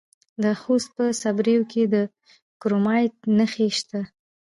د خوست په صبریو کې د کرومایټ نښې شته.